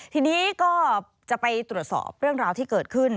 ทีนี้ก็จะไปตรวจสอบเรื่องราวที่เกิดขึ้น